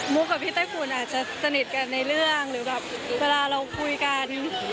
กับพี่ไต้ฝุ่นอาจจะสนิทกันในเรื่องหรือแบบเวลาเราคุยกัน